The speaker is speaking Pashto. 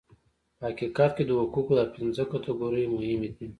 په حقیقت کې د حقوقو دا پنځه کټګورۍ مهمې دي.